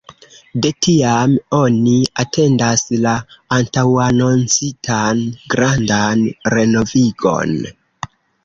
De tiam oni atendas la antaŭanoncitan grandan renovigon.